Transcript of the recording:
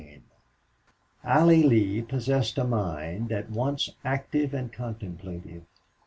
12 Allie Lee possessed a mind at once active and contemplative.